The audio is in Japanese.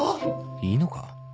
いいのか？